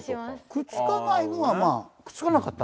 くっつかないのはまあくっつかなかった？